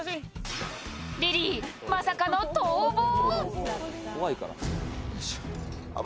リリー、まさかの逃亡。